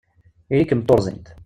Ili-kem d tuṛẓint!